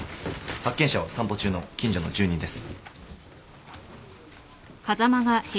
発見者は散歩中の近所の住人です。